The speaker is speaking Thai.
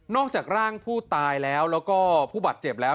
จากร่างผู้ตายแล้วแล้วก็ผู้บาดเจ็บแล้ว